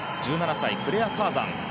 １７歳、クレア・カーザン。